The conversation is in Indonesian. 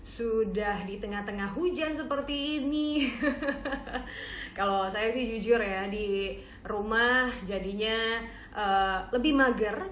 sudah di tengah tengah hujan seperti ini kalau saya sih jujur ya di rumah jadinya lebih mager